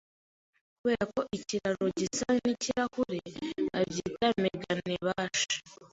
Kubera ko ikiraro gisa nikirahure, babyita Meganebashi.